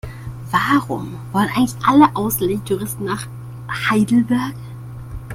Warum wollen eigentlich alle ausländischen Touristen nach Heidelberg?